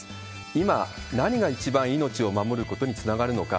今、何が一番命を守ることにつながるのか。